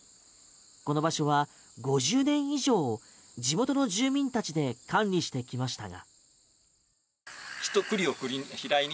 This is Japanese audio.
この場所は５０年以上地元の住民たちで管理してきましたが。